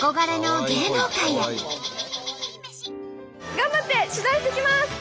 頑張って取材してきます！